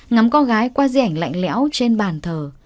ngắm con gái qua rẻnh lạnh lẽo trên bàn thờ